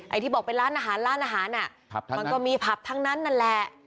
ที่บอกเป็นร้านอาหารร้านอาหารมันก็มีผับทั้งนั้นนั่นแหละ